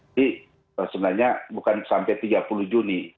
ini sebenarnya bukan sampai tiga puluh juni